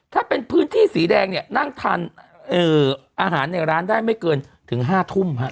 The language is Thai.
ถ้าเป็นพื้นที่สีแดงเนี่ยนั่งทานอาหารในร้านได้ไม่เกินถึง๕ทุ่ม